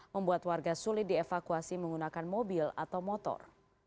membuat warga sulit dievakuasi menggunakan mobil atau motor